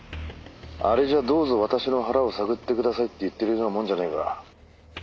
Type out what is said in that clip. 「あれじゃどうぞ私の腹を探ってくださいって言ってるようなもんじゃねえか」